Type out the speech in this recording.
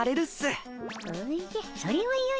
おじゃそれはよいの。